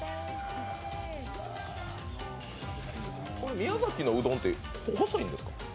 宮崎のうどんって細いんですか？